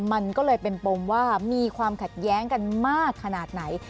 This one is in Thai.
มันก็เลยเป็นปมว่ามีความขัดแย้งกันมากขนาดไหน